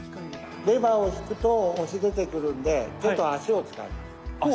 レバーを引くと押し出てくるんでちょっと足を使います。